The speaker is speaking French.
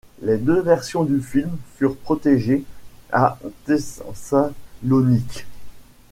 Les deux versions du film furent projetées à Thessalonique.